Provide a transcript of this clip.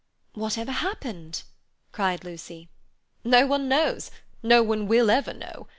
"Whatever happened?" cried Lucy. "No one knows. No one will ever know.